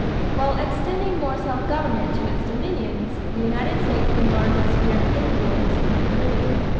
= While extending more self government to its dominions, the United States enlarged its sphere of influence in the Caribbean.